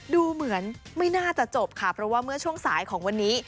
ดูเหมือนไม่น่าจะจบค่ะเพราะว่าเมื่อช่วงสายของวันนี้